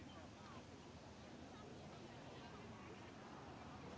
สวัสดีครับทุกคน